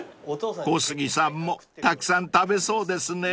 ［小杉さんもたくさん食べそうですね］